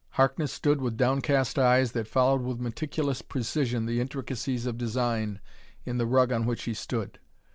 Harkness stood with downcast eyes that followed with meticulous precision the intricacies of design in the rug on which he stood.